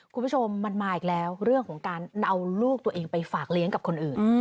คุณผู้ชมมันมาอีกแล้วเรื่องของการเอาลูกตัวเองไปฝากเลี้ยงกับคนอื่น